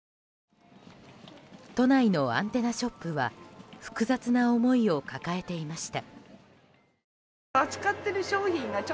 都内のアンテナショップは複雑な思いを抱えていました。